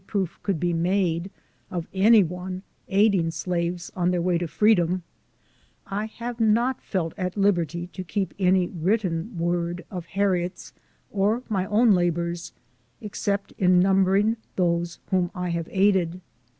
49 proof could be made of any one aiding slaves on their way to freedom, I have not felt at liberty to keep any written word of Harriet's or my own la bors, except in numbering those whom I have aided.